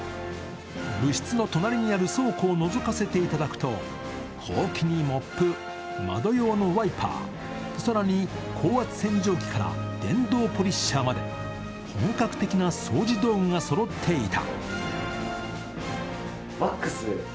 部室の隣にある倉庫をのぞかせていただくとほうきにモップ、窓用のワイパー更に高圧洗浄機から電動ポリッシャーまで本格的な掃除道具がそろっていた。